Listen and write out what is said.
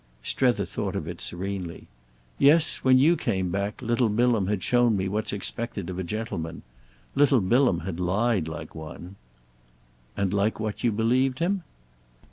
Strether thought of it serenely. "Yes; when you came back little Bilham had shown me what's expected of a gentleman. Little Bilham had lied like one." "And like what you believed him?"